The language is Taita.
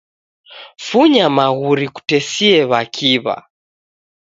Funya maghuri kutesie w'akiw'a